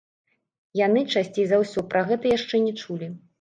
Яны, часцей за ўсё, пра гэта яшчэ не чулі.